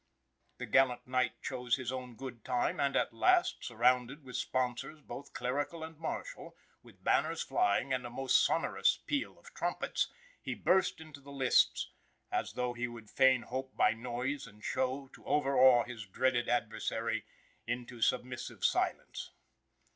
The gallant knight chose his own good time; and, at last, surrounded with sponsors, both clerical and martial, with banners flying and a most sonorous peal of trumpets, he burst into the lists, as though he would fain hope by noise and show to over awe his dreaded adversary into submissive silence.